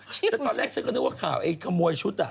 ตอนแรกฉันก็นึกว่าข่าวไอ้ขโมยชุด